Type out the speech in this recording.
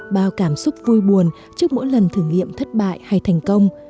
bao cảm xúc vui buồn trước mỗi lần thử nghiệm thất bại hay thành công